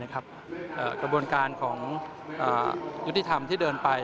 กระบวนการของยุติธรรมที่เดินไป